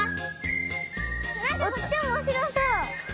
なんかこっちおもしろそう。